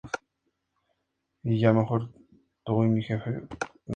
Está previsto re-hacer vuelos entre Pionyang y Berlín.